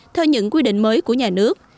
theo những quy định mới của nhà nước